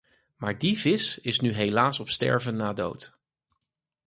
Maar die vis is nu helaas op sterven na dood.